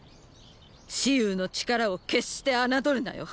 蚩尤の力を決して侮るなよ。